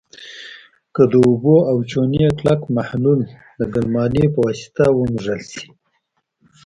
که د اوبو او چونې کلک محلول د ګلمالې په واسطه ومږل شي.